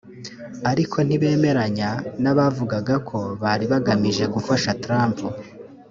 ariko ntibemeranya n’abavugaga ko bari bagamije gufasha Trump